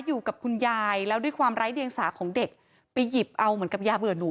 อยู่กับคุณยายแล้วด้วยความไร้เดียงสาของเด็กไปหยิบเอาเหมือนกับยาเบื่อหนู